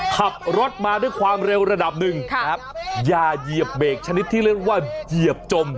ขับรถมาด้วยความเร็วระดับหนึ่งอย่าเหยียบเบรกชนิดที่เรียกว่าเหยียบจม